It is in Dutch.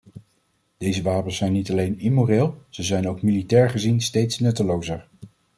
Deze wapens zijn niet alleen immoreel, ze zijn ook militair gezien steeds nuttelozer.